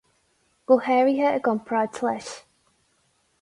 Go háirithe i gcomparáid leis.